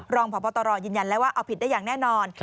รองพบตรยืนยันแล้วว่าเอาผิดได้อย่างแน่นอน